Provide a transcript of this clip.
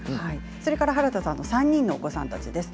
それから原田さんの３人のお子さんたちです。